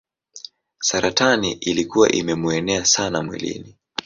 Saratani ilikuwa imemuenea sana mwilini.